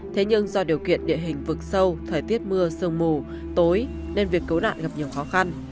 thế nhưng do điều kiện địa hình vực sâu thời tiết mưa sương mù tối nên việc cứu nạn gặp nhiều khó khăn